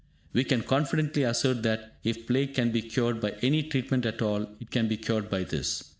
We can confidently assert that, if plague can be cured by any treatment at all, it can be cured by this.